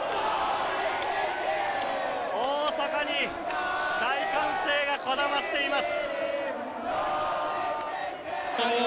大阪に大歓声がこだましています。